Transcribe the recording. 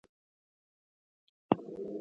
اعصاب څه دنده لري؟